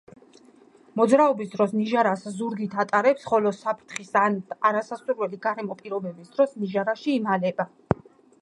მოძრაობის დროს ნიჟარას ზურგით ატარებს, ხოლო საფრთხის ან არასასურველი გარემო პირობების დროს ნიჟარაში იმალება.